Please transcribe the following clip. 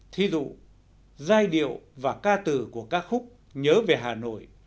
thí dụ giai điệu và ca từ của ca khúc nhớ về hà nội